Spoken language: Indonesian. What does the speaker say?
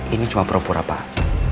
ini cuma peroporan pak